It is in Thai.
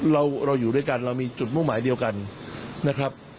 เราอยู่ด้วยกันเรามีจุดมุ่งหมายเดียวกันนะครับ